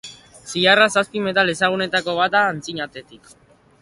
Zilarra zazpi metal ezagunetako bat da antzinatetik.